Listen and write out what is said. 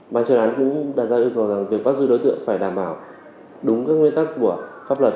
bàn chuyên án cũng đảm bảo việc bắt giữ đối tượng phải đảm bảo đúng các nguyên tắc của pháp luật